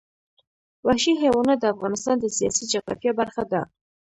وحشي حیوانات د افغانستان د سیاسي جغرافیه برخه ده.